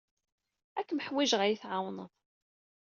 Ad kem-ḥwijeɣ ad iyi-tɛawneḍ.